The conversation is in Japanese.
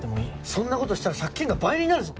そんな事したら借金が倍になるぞ！